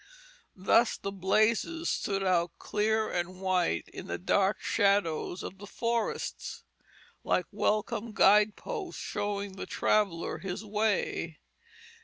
Thus the "blazes" stood out clear and white in the dark shadows of the forests, like welcome guide posts, showing the traveller his way.